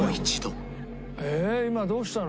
今どうしたの？」